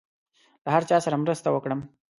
له هر چا سره مرسته وکړم.